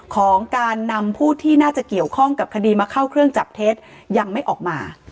ของการนำผู้ที่น่าจะเกี่ยวข้องกับคดีมาเข้าเครื่องจับเท็จยังไม่ออกมา